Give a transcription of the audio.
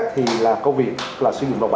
thì là công việc là sử dụng